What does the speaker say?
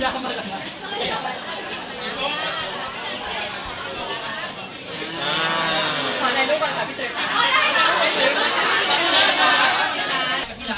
ออเลนุกมากค่ะพี่เจ๊ค่ะ